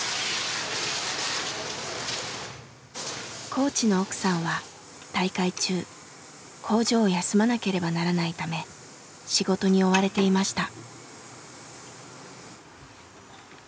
コーチの奥さんは大会中工場を休まなければならないため仕事に追われていました。